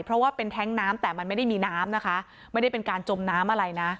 เพราะว่าเป็นแท้งน้ำแต่มันไม่ได้มีน้ำนะคะไม่ได้เป็นการจมน้ำอะไรนะ